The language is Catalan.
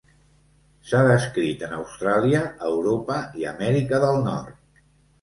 S'ha descrit en Austràlia, Europa i Amèrica del Nord.